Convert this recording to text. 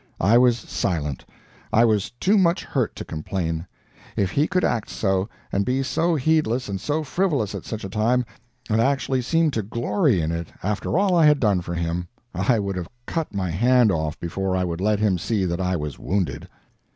I was silent. I was too much hurt to complain. If he could act so, and be so heedless and so frivolous at such a time, and actually seem to glory in it, after all I had done for him, I would have cut my hand off before I would let him see that I was wounded.